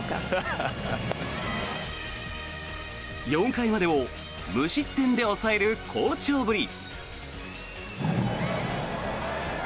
４回までを無失点で抑える好調ぶり。